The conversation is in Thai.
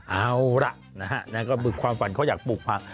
เอาล่ะนะฮะก็คือความฝันเขาอยากปลูกผัก